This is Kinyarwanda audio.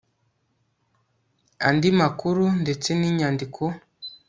andi makuru ndetse n inyandiko